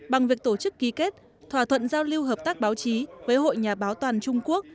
bằng việc tổ chức ký kết thỏa thuận giao lưu hợp tác báo chí với hội nhà báo toàn trung quốc